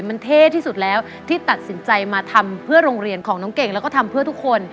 มันเท่ที่สุดแล้วที่ตัดสินใจมาทำเพื่อโรงเรียนของน้องเก่งแล้วก็ทำเพื่อทุกคน